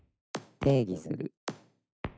定義する。